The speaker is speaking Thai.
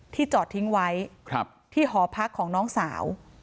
จอดทิ้งไว้ที่หอพักของน้องสาว